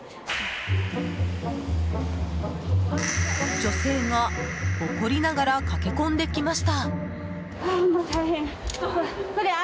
女性が怒りながら駆け込んできました。